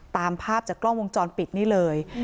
ตามภาพจากกล้องวงจรปิดนี่เลย